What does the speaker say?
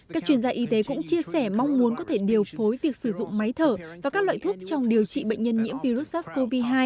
các chuyên gia y tế cũng chia sẻ mong muốn có thể điều phối việc sử dụng máy thở và các loại thuốc trong điều trị bệnh nhân nhiễm virus sars cov hai